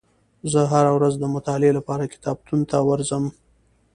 زه هره ورځ د مطالعې لپاره کتابتون ته ورځم.